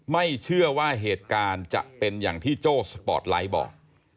ไม่เชื่อว่าเหตุการณ์จะเป็นอย่างที่โจ้สปอร์ตไลท์บอก